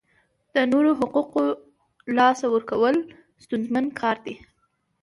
د نورو حقوقو لاسه ورکول ستونزمن کار دی.